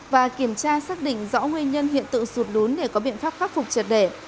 và kiểm tra xác định rõ nguyên nhân hiện tượng sụt lún để có biện pháp khắc phục triệt để